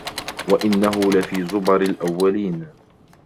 وإنه لفي زبر الأولين